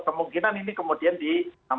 kemungkinan ini kemudian ditemukan